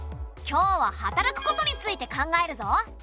今日は働くことについて考えるぞ！